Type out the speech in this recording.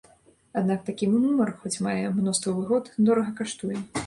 Аднак такі нумар, хоць мае мноства выгод, дорага каштуе.